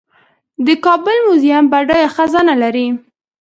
د کابل میوزیم بډایه خزانه لري